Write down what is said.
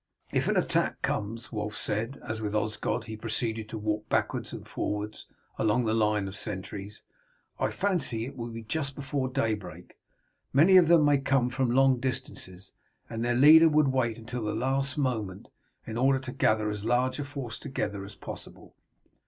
"If an attack comes," Wulf said, as with Osgod he proceeded to walk backwards and forwards along the line of sentries, "I fancy it will be just before daybreak. Many of them may come from long distances, and their leader would wait until the last moment in order to gather as large a force together as possible.